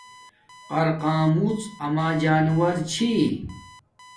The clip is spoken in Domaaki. قرقامڎ اما جانورو چھی